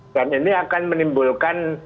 dan ini akan menimbulkan